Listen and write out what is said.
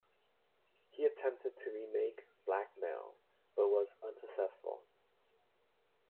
He attempted to remake "Blackmail" but was unsuccessful.